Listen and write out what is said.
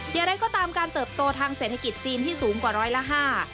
อย่างไรก็ตามการเติบโตทางเศรษฐกิจจีนที่สูงกว่าร้อยละห้า